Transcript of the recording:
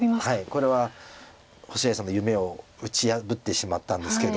これは星合さんの夢を打ち破ってしまったんですけども。